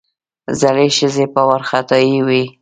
زړې ښځې په وارخطايي وې.